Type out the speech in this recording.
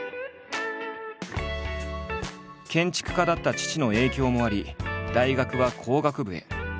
建築家だった父の影響もあり大学は工学部へ。